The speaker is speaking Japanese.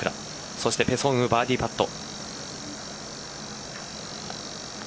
そしてペ・ソンウバーディーパット。